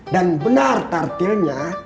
dan benar tartilnya